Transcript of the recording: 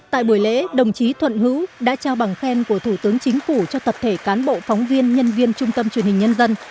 tại buổi lễ đồng chí thuận hữu đã trao bằng khen của thủ tướng chính phủ cho tập thể cán bộ phóng viên nhân viên trung tâm truyền hình nhân dân